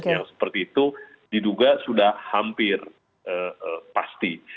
yang seperti itu diduga sudah hampir pasti